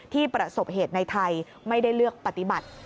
ประสบเหตุในไทยไม่ได้เลือกปฏิบัติ